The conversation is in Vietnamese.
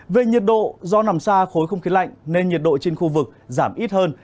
về nhiệt độ do nằm xa khối không khí lạnh nên nhiệt độ trên khu vực giảm ít hơn